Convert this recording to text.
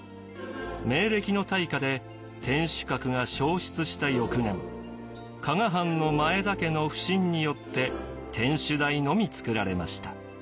明暦の大火で天守閣が焼失した翌年加賀藩の前田家の普請によって天守台のみ造られました。